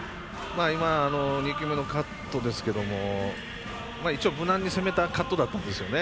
２球目のカットですけれども一応、無難に攻めたカットだったんですよね。